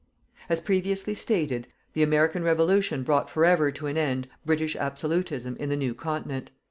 As previously stated, the American Revolution brought for ever to an end British absolutism in the new continent.